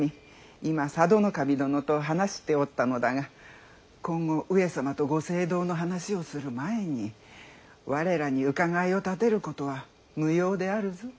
今佐渡守殿と話しておったのだが今後上様とご政道の話をする前に我らに伺いを立てることは無用であるぞ。